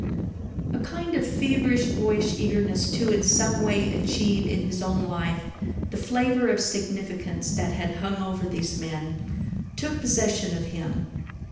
A kind of feverish boyish eagerness to in some way achieve in his own life the flavor of significance that had hung over these men took possession of him.